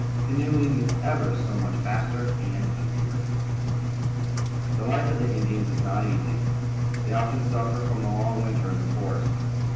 Canoeing is ever so much faster and easier. The life of the Indians is not easy. They often suffer from the long winter in the forest.